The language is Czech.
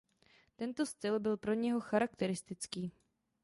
Tento styl byl pro něho charakteristický.